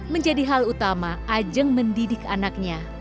menjadi hal utama ajeng mendidik anaknya